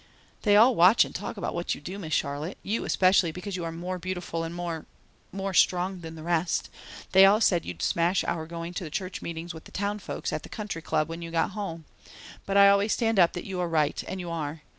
"They all watch and talk about what you do, Miss Charlotte, you especially, because you are more beautiful and more more strong than the rest. They all said you'd smash our going to the church meetings with the Town folks at the Country Club when you got home. But I always stand up that you are right and you are.